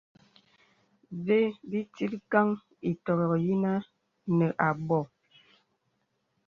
Və bì tilkəŋ ìtɔ̄rɔ̀k yinə̀ nə à bɔ̀.